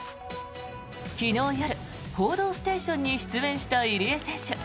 昨日夜、「報道ステーション」に出演した入江選手。